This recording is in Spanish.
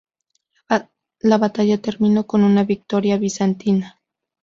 La batalla terminó con una victoria bizantina.